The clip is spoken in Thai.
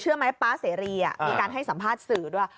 ไหมป๊าเสรีมีการให้สัมภาษณ์สื่อด้วย